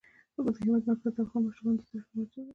د هېواد مرکز د افغان ماشومانو د زده کړې موضوع ده.